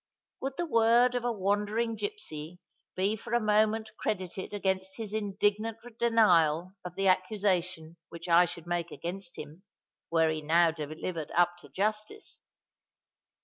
Would the word of a wandering gipsy be for a moment credited against his indignant denial of the accusation which I should make against him, were he now delivered up to justice?